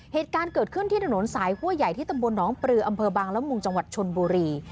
เหตุการณ์เกิดขึ้นที่ถนนสายหัวใหญ่ที่ตำบลหนองปลืออำเภอบางละมุงจังหวัดชนบุรี